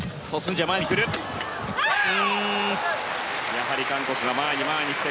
やはり韓国が前に前に来て